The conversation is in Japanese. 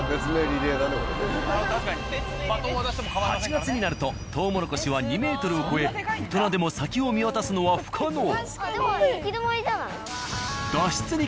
８月になるととうもろこしは２ｍを超え大人でも先を見渡すのは不可能。